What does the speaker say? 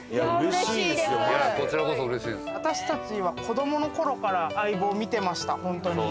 私たちは子どもの頃から『相棒』見てました本当に。